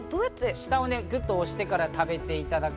下をぐっと押してから食べてください。